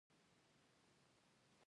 د معدې درد لپاره باید څه شی وکاروم؟